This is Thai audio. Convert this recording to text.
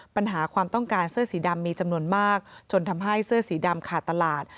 ปัญหาความต้องการเสื้อสีดำมีจำนวนมากจนทำให้เสื้อสีดำขาดตลาด